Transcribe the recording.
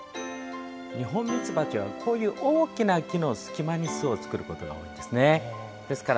ニホンミツバチはこういう大きな木の隙間に巣を作ることがあるんですね。